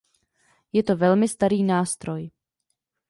Je to velmi starý nástroj.